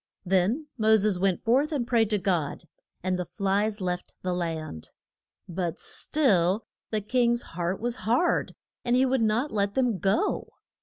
Then Mo ses went forth and prayed to God, and the flies left the land. But still the king's heart was hard, and he would not let them go.